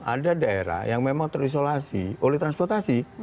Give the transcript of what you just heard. ada daerah yang memang terisolasi oleh transportasi